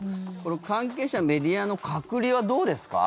関係者、メディアの隔離はどうですか？